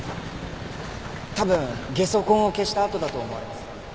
多分下足痕を消した跡だと思われます。